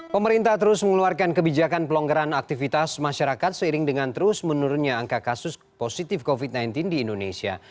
pemerintah terus mengeluarkan kebijakan pelonggaran aktivitas masyarakat seiring dengan terus menurunnya angka kasus positif covid sembilan belas di indonesia